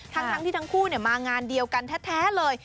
ทั้งที่ทั้งคู่มางานเดียวกันแท้เลย